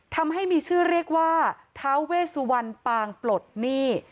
ทำให้มีชื่อเรียกว่าท้าเวสวรรณปางปลดหนี้